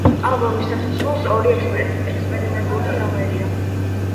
ალბომის დასასრულს ორი ექსპერიმენტული ნომერია.